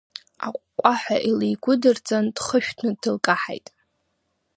Аҟәҟәаҳәа илигәыдырҵан, дхышәҭны дылкаҳаит.